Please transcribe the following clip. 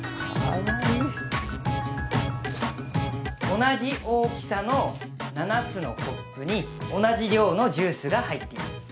同じ大きさの７つのコップに同じ量のジュースが入っています。